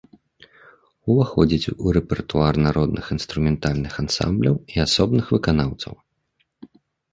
Уваходзіць у рэпертуар народных інструментальных ансамбляў і асобных выканаўцаў.